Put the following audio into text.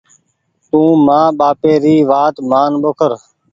تونٚ مآن ٻآپي ري وآت مآن ٻوکر۔